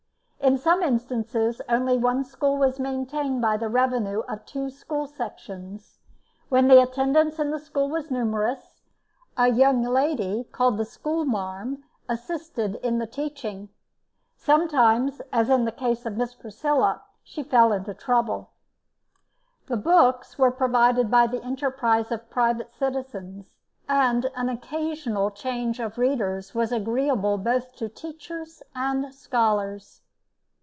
In some instances only one school was maintained by the revenue of two school sections. When the attendance in the school was numerous, a young lady, called the "school marm," assisted in the teaching. Sometimes, as in the case of Miss Priscilla, she fell into trouble. The books were provided by the enterprise of private citizens, and an occasional change of "Readers" was agreeable both to teachers and scholars.